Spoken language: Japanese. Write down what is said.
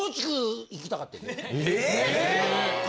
え！